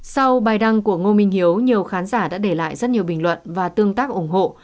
sau bài đăng của ngô minh hiếu nhiều khán giả đã để lại rất nhiều bình luận và tương tác ủng hộ